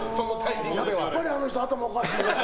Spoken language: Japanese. やっぱりあの人頭おかしいって。